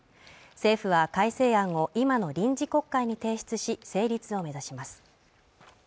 政府は改正案を今の臨時国会に提出し成立を目指します